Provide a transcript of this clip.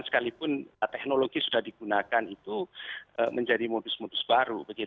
sekalipun teknologi sudah digunakan itu menjadi modus modus baru